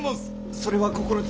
それは心強。